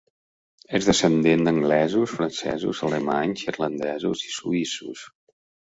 És descendent d'anglesos, francesos, alemanys, irlandesos i suïssos.